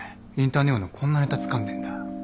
インターネオのこんなネタつかんでんだ。